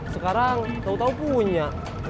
sekarang tau tau punya